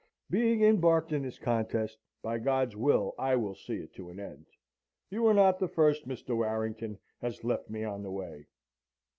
Being embarked in this contest, by God's will I will see it to an end. You are not the first, Mr. Warrington, has left me on the way.'